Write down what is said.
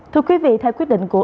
thưa quý vị theo quyết định của